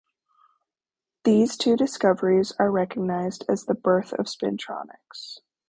These two discoveries are recognized as the birth of spintronics.